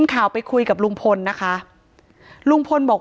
ถ้าใครอยากรู้ว่าลุงพลมีโปรแกรมทำอะไรที่ไหนยังไง